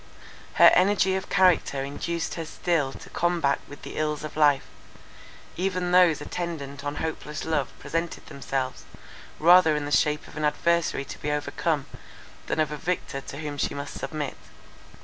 Her energy of character induced her still to combat with the ills of life; even those attendant on hopeless love presented themselves, rather in the shape of an adversary to be overcome, than of a victor to whom she must submit.